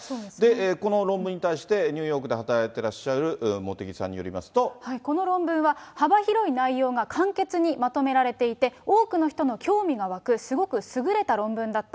この論文に対して、ニューヨークで働いてらっしゃる茂木さんによこの論文は、幅広い内容が簡潔にまとめられていて、多くの人の興味が湧くすごく優れた論文だった。